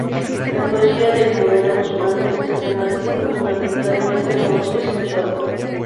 La poesía de Almudena Guzmán es de temática fundamentalmente amorosa y sensual.